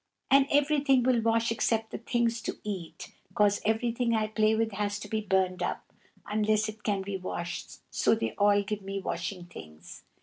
And everything will wash except the things to eat, 'cause everything I play with has to be burned up, unless it can be washed, so they all gave me washing things.